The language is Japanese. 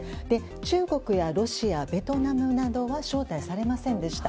中国やロシア、ベトナムなどは招待されませんでした。